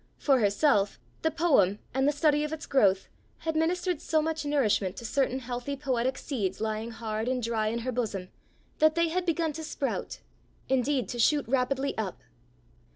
For herself, the poem and the study of its growth had ministered so much nourishment to certain healthy poetic seeds lying hard and dry in her bosom, that they had begun to sprout, indeed to shoot rapidly up.